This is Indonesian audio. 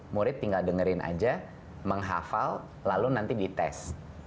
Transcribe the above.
murid tinggal dengerin aja menghafal lalu nanti dites